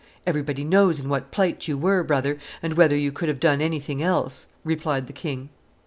"Everybody knows in what plight you were, brother, and whether you could have done anything else," replied the king.